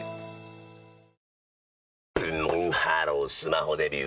ブンブンハロースマホデビュー！